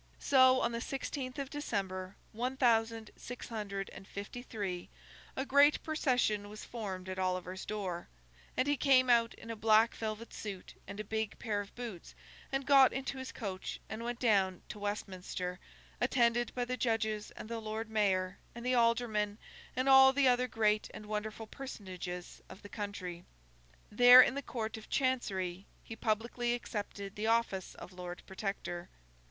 So, on the sixteenth of December, one thousand six hundred and fifty three, a great procession was formed at Oliver's door, and he came out in a black velvet suit and a big pair of boots, and got into his coach and went down to Westminster, attended by the judges, and the lord mayor, and the aldermen, and all the other great and wonderful personages of the country. There, in the Court of Chancery, he publicly accepted the office of Lord Protector.